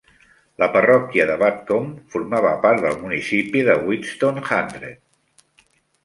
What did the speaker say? La parròquia de Batcombe formava part del municipi de Whitstone Hundred.